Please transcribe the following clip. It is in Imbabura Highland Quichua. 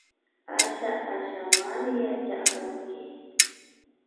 Asha Ashamari yachakunki